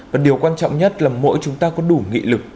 và điều quan trọng nhất là mỗi chúng ta có đủ nghị lực